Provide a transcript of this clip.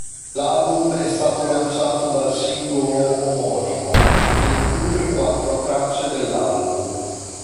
L'album è stato lanciato dal singolo omonimo, che include quattro tracce dell'album.